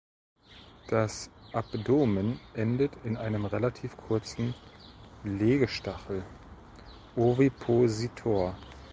Das Abdomen endet in einem relativ kurzen Legestachel (Ovipositor).